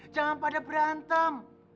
jangan pada berantem